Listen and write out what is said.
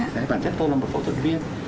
đấy bản thân tôi là một phẫu thuật viên